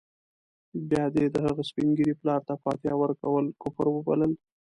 بيا دې د هغه سپین ږیري پلار ته فاتحه ورکول کفر وبلل.